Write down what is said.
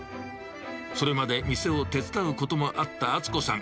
それまで店を手伝うこともあった温子さん。